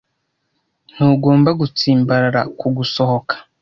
Ntugomba gutsimbarara ku gusohoka